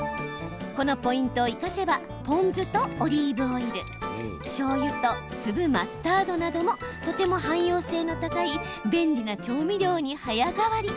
このポイントを生かせばポン酢とオリーブオイルしょうゆと粒マスタードなどもとても汎用性の高い便利な調味料に早変わり。